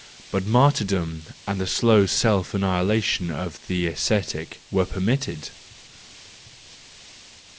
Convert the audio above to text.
But martyrdom and the slow self annihilation of the ascetic were permitted.